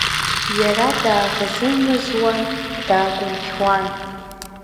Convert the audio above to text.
Иара дааӷызы-мызуан, даагәынқьуан.